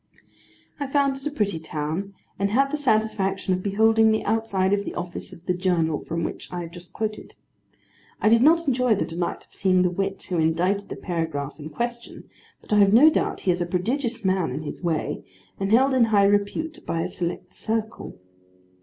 I found it a pretty town, and had the satisfaction of beholding the outside of the office of the journal from which I have just quoted. I did not enjoy the delight of seeing the wit who indited the paragraph in question, but I have no doubt he is a prodigious man in his way, and held in high repute by a select circle.